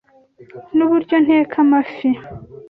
Nuburyo nteka amafi.